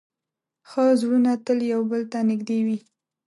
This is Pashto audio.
ښه زړونه تل یو بل ته نږدې وي.